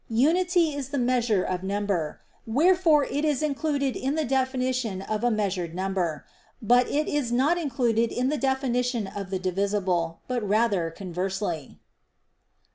Unity is the measure of number: wherefore it is included in the definition of a measured number. But it is not included in the definition of the divisible, but rather conversely.